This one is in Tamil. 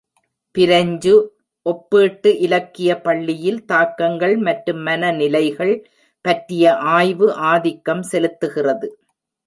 பிரஞ்சு ஒப்பீட்டு இலக்கிய பள்ளியில், தாக்கங்கள் மற்றும் மனநிலைகள் பற்றிய ஆய்வு ஆதிக்கம் செலுத்துகிறது.